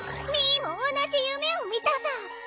ミーも同じ夢を見たさ。